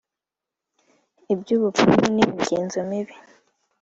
ibyubupfumu nimigenzo mibi.